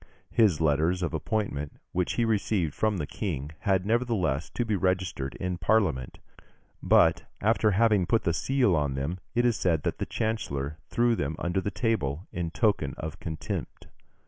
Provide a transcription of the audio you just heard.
His letters of appointment, which he received from the King, had, nevertheless, to be registered in Parliament; but, after having put the seal on them, it is said that the chancellor threw them under the table, in token of contempt.